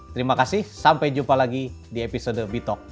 terima kasih sampai jumpa lagi di episode bi talk